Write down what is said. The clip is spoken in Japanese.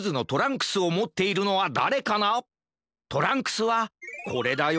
トランクスはこれだよ！